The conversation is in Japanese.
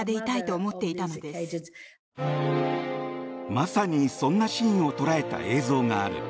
まさに、そんなシーンを捉えた映像がある。